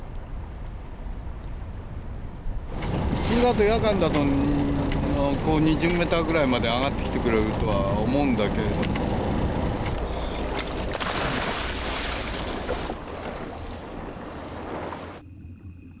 普通だと夜間だと２０ｍぐらいまで上がってきてくれるとは思うんだけれども。